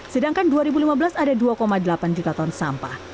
sedangkan dua ribu lima belas ada dua delapan juta ton sampah